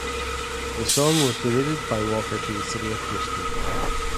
The song was donated by Walker to the city of Houston.